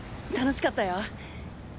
楽しかったよ。